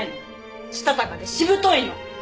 したたかでしぶといの！